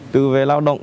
từ về lao động